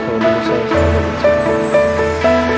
hujan yang habis semua buat aku